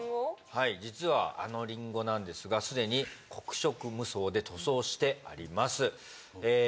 はい実はあのりんごなんですがすでに黒色無双で塗装してありますえ